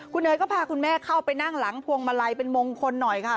คุณเนยก็พาคุณแม่เข้าไปนั่งหลังพวงมาลัยเป็นมงคลหน่อยค่ะ